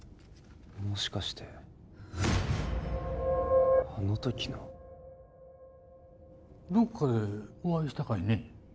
もしかしてあの時のどっかでお会いしたかいね？